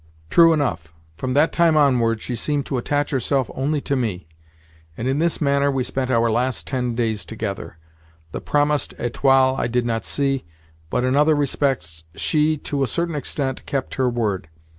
True enough, from that time onward she seemed to attach herself only to me, and in this manner we spent our last ten days together. The promised "étoiles" I did not see, but in other respects she, to a certain extent, kept her word.